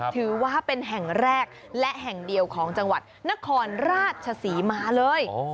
ถือว่าเป็นแห่งแรกและแห่งเดียวของจังหวัดนครราชศรีมาเลย